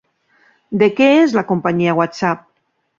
De què és la companyia WhatsApp?